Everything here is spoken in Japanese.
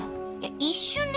一瞬ね。